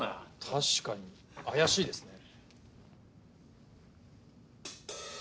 確かに怪しいですね。